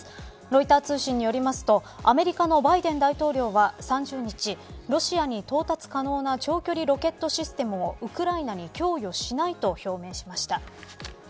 ロイター通信によりますとアメリカのバイデン大統領は３０日ロシアに到達可能な長距離ロケットシステムをウクライナに供与しないと表明しました。